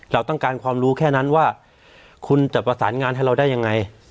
เราต้องการความรู้แค่นั้นว่าคุณจะประสานงานให้เราได้ยังไง